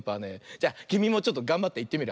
じゃきみもちょっとがんばっていってみるよ。